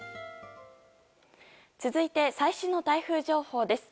続いて最新の台風情報です。